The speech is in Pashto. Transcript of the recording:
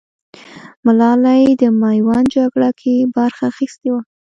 ملالۍ د ميوند جگړه کې برخه اخيستې وه.